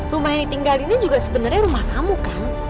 rumah yang ditinggalinnya juga sebenarnya rumah kamu kan